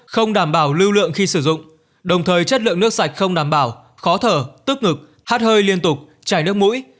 không đảm bảo lưu lượng khi sử dụng đồng thời chất lượng nước sạch không đảm bảo khó thở tức ngực hát hơi liên tục chảy nước mũi